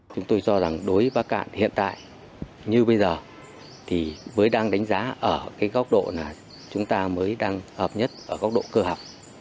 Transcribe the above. chúng tôi cho rằng đối với bắc cạn hiện tại như bây giờ thì mới đang đánh giá ở cái góc độ là chúng ta mới đang hợp nhất ở góc độ cơ học